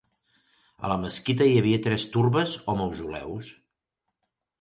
A la mesquita hi havia tres turbes o mausoleus.